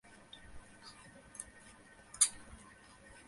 জগমোহন কহিলেন, জীবকে যিনি গর্ভে ধারণ করেন তাঁকে।